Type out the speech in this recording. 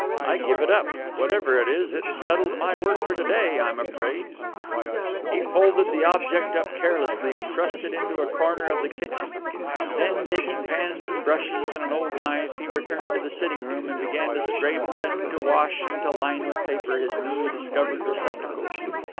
"I give it up. Whatever it is, it's settled my work for today, I'm afraid " He folded the object up carelessly and thrust it into a corner of the kitchen; then, taking pans and brushes and an old knife, he returned to the sitting room and began to scrape and to wash and to line with paper his newly discovered receptacles.